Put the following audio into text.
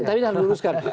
tapi ini harus diuruskan